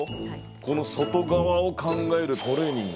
この外側を考えるトレーニング。